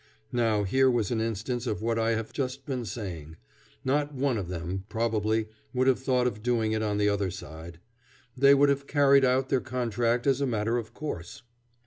Now here was an instance of what I have just been saying. Not one of them, probably, would have thought of doing it on the other side. They would have carried out their contract as a matter of course.